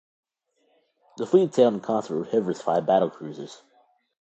The fleet sailed in concert with Hipper's five battlecruisers.